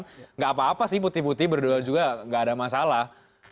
tidak apa apa sih putih putih berdua juga nggak ada masalah